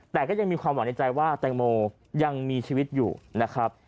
แต่ก็ยังมีความหวังในใจว่าแตงโมยังมีชีวิตอยู่นะครับ